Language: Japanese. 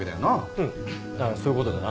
うんそういうことだな。